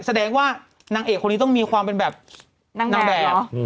เอ้อรู้แล้วเลยแหละ